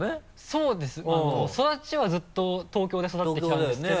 そうです育ちはずっと東京で育ってきたんですけど。